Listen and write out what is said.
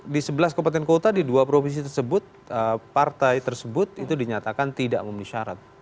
di sebelas kabupaten kota di dua provinsi tersebut partai tersebut itu dinyatakan tidak memenuhi syarat